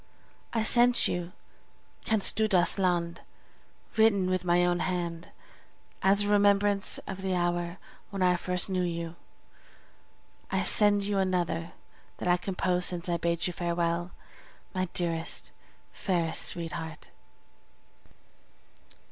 I send you "Kennst Du das Land," written with my own hand, as a remembrance of the hour when I first knew you; I send you also another that I composed since I bade you farewell, my dearest, fairest sweetheart!